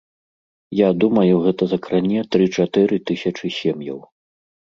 Я думаю, гэта закране тры-чатыры тысячы сем'яў.